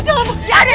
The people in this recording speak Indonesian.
pergi pergi pergi